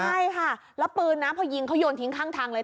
ใช่ค่ะแล้วปืนนะพอยิงเขาโยนทิ้งข้างทางเลย